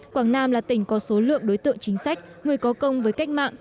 quảng nam là tỉnh có số lượng đối tượng chính sách người có công với cách mạng